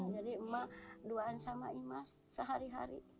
jadi emak duaan sama emak sehari hari